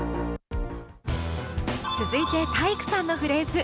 続いて体育さんのフレーズ。